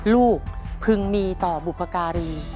พึงมีต่อบุปการี